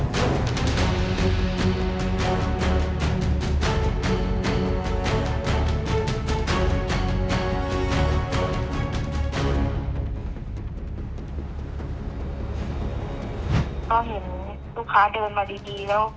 ก็เห็นลูกค้าเดินมาดีแล้ว